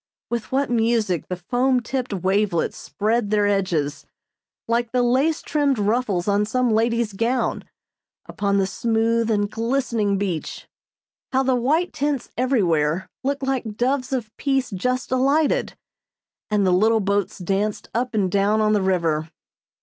With what music the foam tipped wavelets spread their edges, like the lace trimmed ruffles on some lady's gown, upon the smooth and glistening beach. How the white tents everywhere looked like doves of peace just alighted, and the little boats danced up and down on the river.